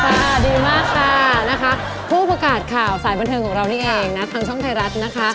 สวัสดีมากค่ะนะคะผู้ประกาศข่าวสายบันเทิงของเรานี่เองนะทางช่องไทยรัฐนะคะ